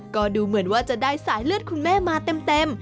ก็ดูเหมือนว่าจะได้สายเลือดคุณแม่มาเต็ม